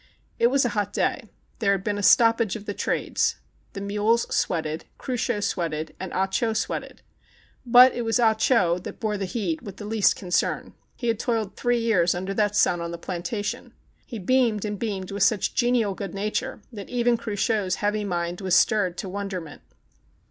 It was a hot day. There had been a stoppage of the trades. The mules sweated, Cruchot sweated, and Ah Cho sweated. But it was Ah Cho that bore the heat with the least concern. He had toiled three years under that sun on the plan tation. He beamed and beamed with such genial good nature that even Cruchot's heavy mind was stirred to wonderment.